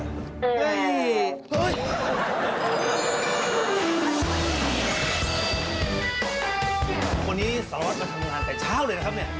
วันนี้สารวัสมาทำงานแต่เช้าเลยนะครับเนี่ย